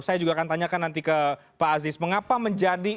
saya juga akan tanyakan nanti ke pak aziz mengapa menjadi